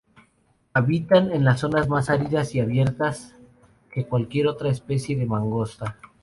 Habitan las zonas más áridas y abiertas que cualquier otra especie de mangosta.